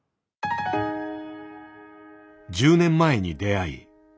１０年前に出会い